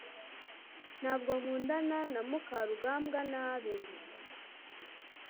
ntabwo nkundana na mukarugambwa nabi